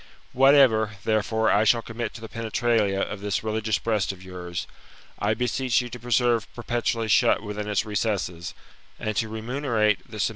Whatever, therefore, I shall commit to the penetralia of this religious breast of yours, I beseech you to preserve perpetually shut within its recesses, and to remunerate the /\ GOLDEN ASS, OF APULSIUS. — BOOK III.